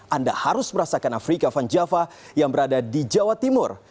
anda harus merasakan afrika van java yang berada di jawa timur